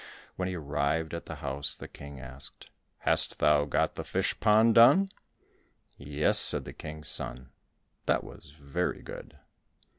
When he arrived at the house the King asked, "Hast thou got the fish pond done?" "Yes," said the King's son. That was very good.